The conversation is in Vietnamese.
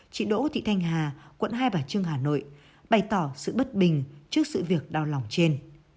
chị đỗ thị thanh hà quận hai bà trưng hà nội bày tỏ sự bất bình trước sự việc đau lòng trên